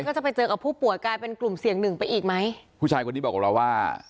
ก็จะไปเจอกับผู้ป่วยกลายเป็นกลุ่มเสี่ยงหนึ่งไปอีกไหมผู้ชายคนนี้บอกกับเราว่า